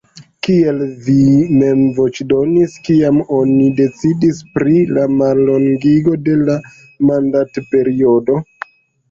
Kiel vi mem voĉdonis, kiam oni decidis pri la mallongigo de la mandatperiodo?